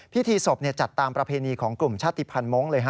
พิธีศพจัดตามประเพณีของกลุ่มชาติภัณฑ์มงค์เลย